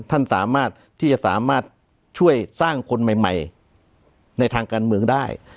ท่านสามารถที่จะสามารถช่วยสร้างคนใหม่ในทางการเมืองได้